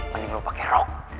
mending lo pake rok